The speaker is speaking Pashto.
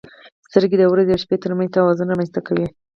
• سترګې د ورځې او شپې ترمنځ توازن رامنځته کوي.